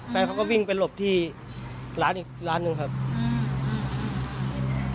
ฟันเขาก็วิ่งไปหลบที่ร้านอีกร้านนึงครับอืมอุ้นอืม